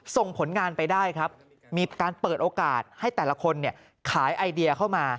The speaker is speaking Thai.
ส่งผลงานไปได้ครับมีการเปิดโอกาสให้แต่ละคนขายไอเดียเข้ามา